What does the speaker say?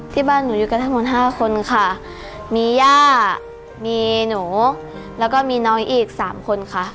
ที่บ้านหนูอยู่กันทั้งหมดห้าคนค่ะมีย่ามีหนูแล้วก็มีน้องอีกสามคนค่ะ